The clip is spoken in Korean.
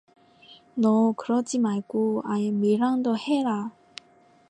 너 그러지 말고 아예 밀항도 해라